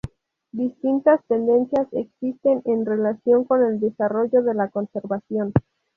Distintas tendencias existen en relación con el desarrollo de la conservación.